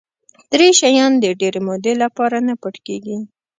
درې شیان د ډېرې مودې لپاره نه پټ کېږي.